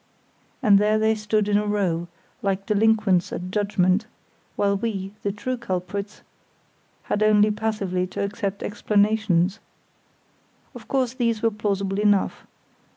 And there they stood in a row, like delinquents at judgement, while we, the true culprits, had only passively to accept explanations. Of course these were plausible enough.